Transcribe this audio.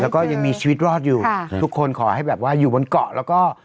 แล้วก็ยังมีชีวิตรอดอยู่ค่ะทุกคนขอให้แบบว่าอยู่บนเกาะแล้วก็